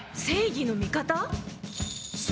正義の味方？